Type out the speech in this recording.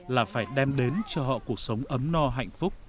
là phải đem đến cho họ cuộc sống ấm no hạnh phúc